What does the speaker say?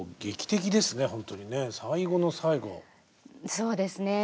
そうですね